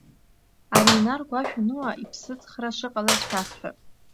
Ари инарго ашәаныуа иԥсыҵхра шыҟалаз шәасҳәап.